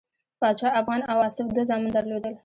پاچا افغان او آصف دوه زامن درلودل.